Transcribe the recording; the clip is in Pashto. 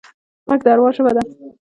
غږ د اروا ژبه ده